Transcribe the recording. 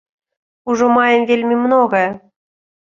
Ужо маем вельмі многае.